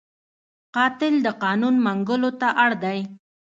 قاتل د قانون منګولو ته اړ دی